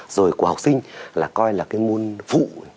rồi của học sinh là coi là cái môn phụ